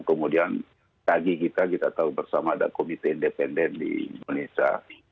kemudian kagi kita kita tahu bersama ada komite independen di indonesia